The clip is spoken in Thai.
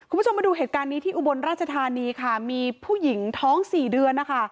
คุณผู้ชมมาดูเหตุการณ์ที่อุบลราชธานีมีผู้หญิงท้อง๔เดือน